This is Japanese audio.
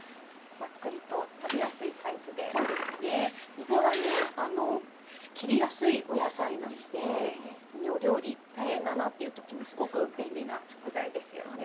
にらは切りやすい野菜なので料理大変だなっていう時にすごく便利な食材ですよね。